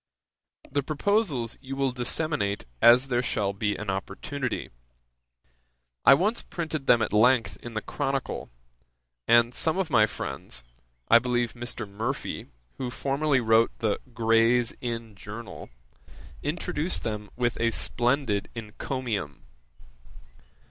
The proposals you will disseminate as there shall be an opportunity. I once printed them at length in the Chronicle, and some of my friends (I believe Mr. Murphy, who formerly wrote the Gray's Inn Journal) introduced them with a splendid encomium.